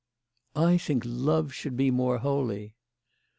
" I think love should be more holy."